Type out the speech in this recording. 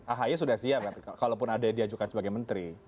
ahy sudah siap kalaupun ada dia juga sebagai menteri